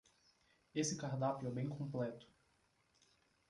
Esse cardápio é bem completo